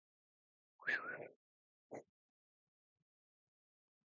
Exclusively used in the Japanese version of "Salamander".